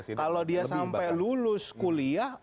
iya kan kalau dia sampai lulus kuliah